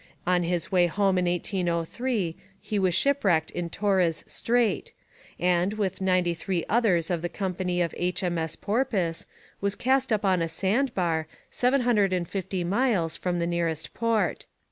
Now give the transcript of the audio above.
On his way home in 1803 he was shipwrecked in Torres Strait, and, with ninety three others of the company of H.M.S. Porpoise, was cast up on a sandbar, seven hundred and fifty miles from the nearest port.